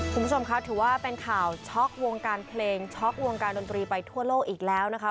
คุณผู้ชมคะถือว่าเป็นข่าวช็อกวงการเพลงช็อกวงการดนตรีไปทั่วโลกอีกแล้วนะคะ